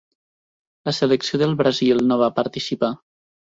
La selecció del Brasil no va participar.